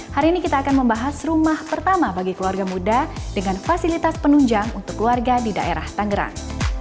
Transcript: hari ini kita akan membahas rumah pertama bagi keluarga muda dengan fasilitas penunjang untuk keluarga di daerah tangerang